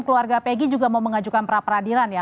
keluarga pegi juga mau mengajukan pra peradilan ya